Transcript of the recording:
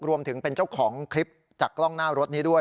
รวมถึงเป็นเจ้าของคลิปจากกล้องหน้ารถนี้ด้วย